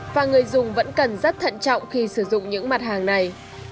và người dùng vẫn cần rất thận trọng khi sử dụng những mặt hàng này